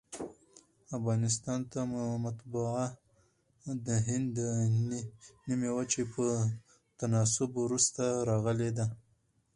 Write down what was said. افغانستان ته مطبعه دهند د نیمي وچي په تناسب وروسته راغلې ده.